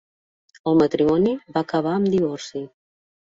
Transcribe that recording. El matrimoni va acabar en divorci.